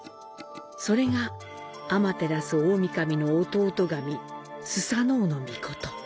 それが天照大御神の弟神、素戔嗚尊。